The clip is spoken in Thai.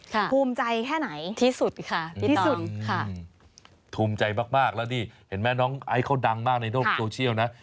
ภูมิใจแค่ไหนที่สุดค่ะดีที่สุดค่ะภูมิใจมากมากแล้วนี่เห็นไหมน้องไอซ์เขาดังมากในโลกโซเชียลนะ